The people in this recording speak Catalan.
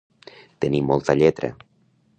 Tenir molta lletra.